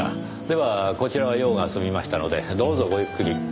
ではこちらは用が済みましたのでどうぞごゆっくり。